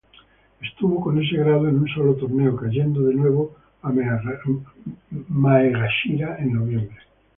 Estuvo en ese grado un solo torneo, cayendo de nuevo a "maegashira" en noviembre.